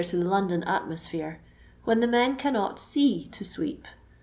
223 to the London atmosphere, when the men cannot t«e to sweep.